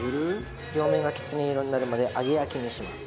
両面がきつね色になるまで揚げ焼きにします。